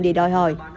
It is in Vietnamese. để đòi hỏi